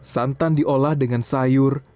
santan diolah dengan sayur